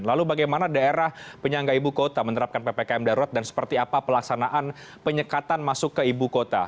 lalu bagaimana daerah penyangga ibu kota menerapkan ppkm darurat dan seperti apa pelaksanaan penyekatan masuk ke ibu kota